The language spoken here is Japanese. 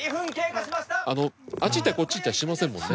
あっち行ったりこっち行ったりしませんもんね。